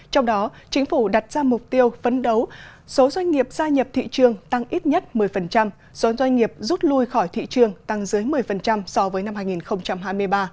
trong đó chính phủ đặt ra mục tiêu phấn đấu số doanh nghiệp gia nhập thị trường tăng ít nhất một mươi số doanh nghiệp rút lui khỏi thị trường tăng dưới một mươi so với năm hai nghìn hai mươi ba